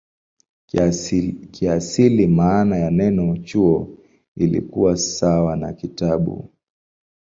Kiasili maana ya neno "chuo" ilikuwa sawa na "kitabu".